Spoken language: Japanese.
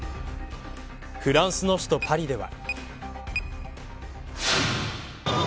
フランスの首都、パリでは。